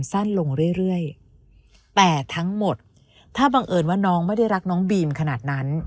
สั้นลงเรื่อยแต่ทั้งหมดถ้าบังเอิญว่าน้องไม่ได้รักน้องบีมขนาดนั้น